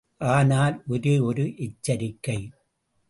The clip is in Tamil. ஆனால் ஒரே ஒரு எச்சரிக்கை.